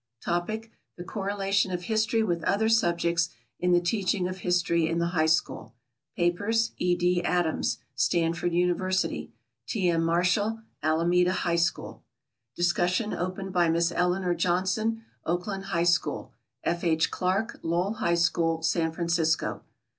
Topic: "The Correlation of History with Other Subjects in the Teaching of History in the High School." Papers: E. D. Adams, Stanford University; T. M. Marshall, Alameda High School. Discussion opened by Miss Eleanor Johnson, Oakland High School; F. H. Clark, Lowell High School, San Francisco.